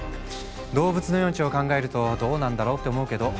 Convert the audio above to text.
動物の命を考えるとどうなんだろうって思うけど。